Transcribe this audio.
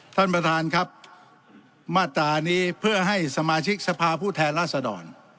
ท่านประธานครับมาตรานี้เพื่อให้สมาชิกสภาพผู้แทนราษดร